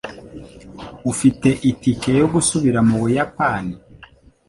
Ufite itike yo gusubira mu Buyapani?